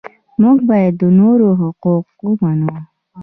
موږ باید د نورو حقوق ومنو.